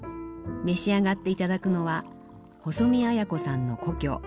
召し上がって頂くのは細見綾子さんの故郷